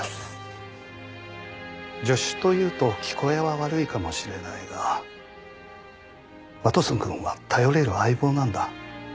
助手と言うと聞こえは悪いかもしれないがワトソンくんは頼れる相棒なんだ。